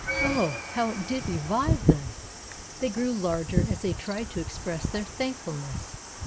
Oh, how it did revive them! They grew larger as they tried to express their thankfulness.